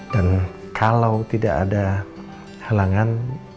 dan kalau tidak ada helangan